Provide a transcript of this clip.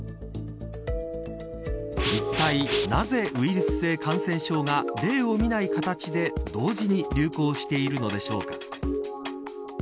いったいなぜウイルス性感染症が例を見ない形で同時に流行しているのでしょうか。